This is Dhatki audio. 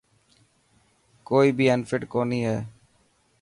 ڪوئي بي انفٽ ڪوني هي.